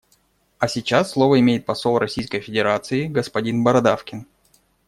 А сейчас слово имеет посол Российской Федерации господин Бородавкин.